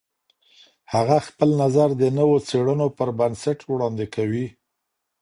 هغه خپل نظر د نوو څېړنو پر بنسټ وړاندې کوي.